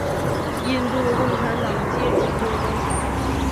印度共产党阶级斗争。